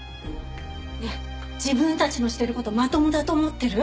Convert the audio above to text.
ねえ自分たちのしてる事まともだと思ってる？